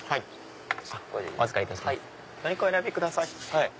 お選びください。